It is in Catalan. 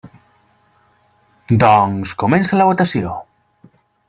Doncs, comença la votació.